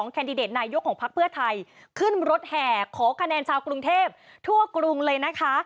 แคนดิเดตนายกของพักเพื่อไทยขึ้นรถแห่ขอคะแนนชาวกรุงเทพทั่วกรุงเลยนะคะ